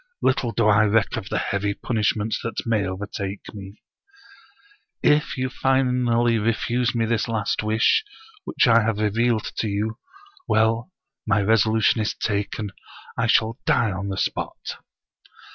Little do I reck of the heavy punishment that may overtake me. " If you finally refuse me this last wish which I have revealed to you — ^well, my resolution is taken. I shall die on the spot!